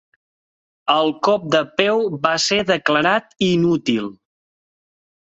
El cop de peu va ser declarat inútil.